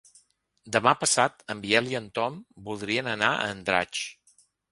Demà passat en Biel i en Tom voldrien anar a Andratx.